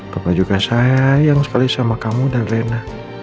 papa juga sayang sekali sama kamu dan reina